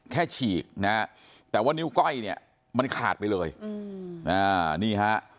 ฉีกนะฮะแต่ว่านิ้วก้อยเนี่ยมันขาดไปเลยอืมอ่านี่ฮะ